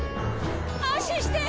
安心して！